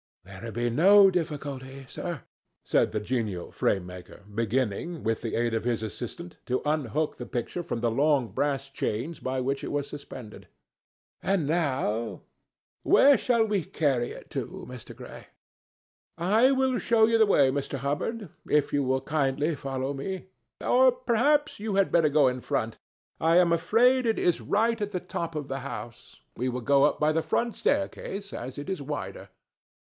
"There will be no difficulty, sir," said the genial frame maker, beginning, with the aid of his assistant, to unhook the picture from the long brass chains by which it was suspended. "And, now, where shall we carry it to, Mr. Gray?" "I will show you the way, Mr. Hubbard, if you will kindly follow me. Or perhaps you had better go in front. I am afraid it is right at the top of the house. We will go up by the front staircase, as it is wider."